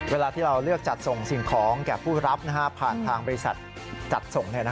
เวลาที่เราเลือกจัดส่งสิ่งของแก่ผู้รับผ่านทางบริษัทจัดส่ง